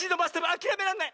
あきらめらんない！